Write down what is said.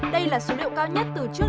đây là số liệu cao nhất từ trước